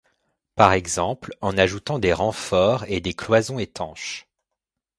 Par exemple, en ajoutant des renforts et des cloisons étanches.